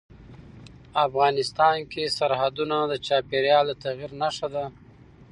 افغانستان کې سرحدونه د چاپېریال د تغیر نښه ده.